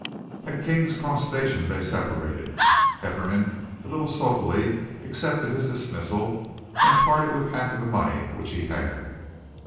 At King's Cross Station they separated. Hefferom, a little sulkily, accepted his dismissal, and parted with half of the money which he had.